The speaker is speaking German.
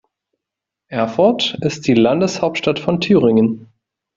Erfurt ist die Landeshauptstadt von Thüringen.